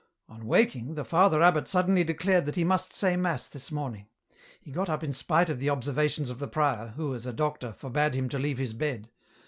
On waking, the Father Abbot suddenly declared that he must say mass this morning. He got up in spite of the observations of the prior, who as a doctor, forbade him to leave his bed.